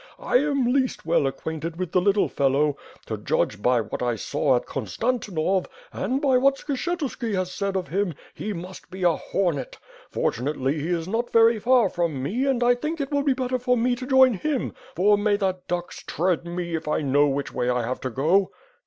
I am least well acquainted with the little fellow. To judge by what I saw at Konstan tinov, and by what Skshetuski has said of him, he must be a hornet. Fortunately, he is not very far from me and I think it will be better for me to join him, for may the ducks tread me if I know which way I have to go.''